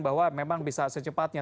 bahwa memang bisa secepatnya